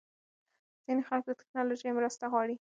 ځینې خلک د ټېکنالوژۍ مرسته غواړي.